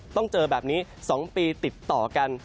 ต้องเจอแบบนี้๒ปีติดต่อกัน